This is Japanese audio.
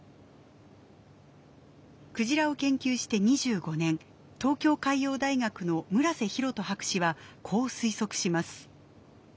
クジラを研究して２５年東京海洋大学の村瀬弘人博士はこう推測します。